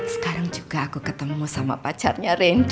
sekarang juga aku ketemu sama pacarnya randy